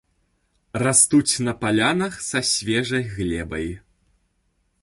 Растуць на палянах са свежай глебай.